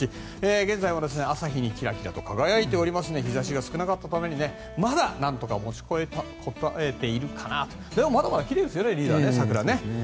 現在は朝日にキラキラと輝いておりますが日差しが少なかったためにまだなんとか持ちこたえているかなとでもまだまだリーダー桜、奇麗ですよね。